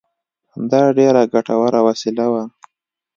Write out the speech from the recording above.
دا ډېره ګټوره وسیله وه